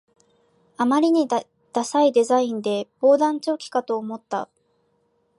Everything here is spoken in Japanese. あまりにダサいデザインで防弾チョッキかと思った